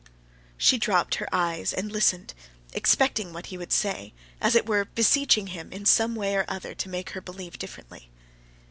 She dropped her eyes and listened, expecting what he would say, as it were beseeching him in some way or other to make her believe differently.